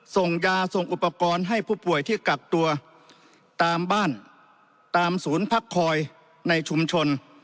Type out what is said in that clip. ส่งยาส่งอุปกรณ์ให้ผู้ป่วยที่กักตัวตามบ้านตามศูนย์พักคอยในชุมชน